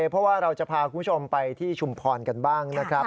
เพราะว่าเราจะพาคุณผู้ชมไปที่ชุมพรกันบ้างนะครับ